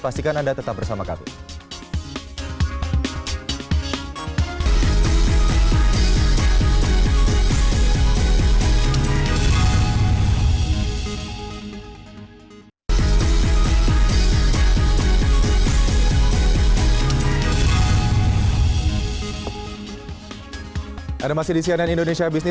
pastikan anda tetap bersama kami